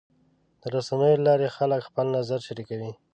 د رسنیو له لارې خلک خپل نظر شریکوي.